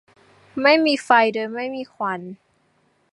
ไม่มีไฟโดยไม่มีควัน